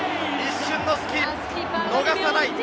一瞬の隙、逃さない！